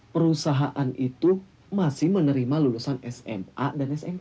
perusahaan itu masih menerima lulusan sma dan sma